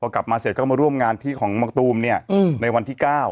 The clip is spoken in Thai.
กลับมาเสร็จก็มาร่วมงานที่ของมะตูมเนี่ยในวันที่๙